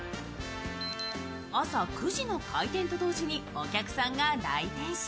朝９時の開店と同時にお客さんが来店し、